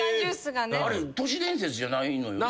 あれ都市伝説じゃないのよな。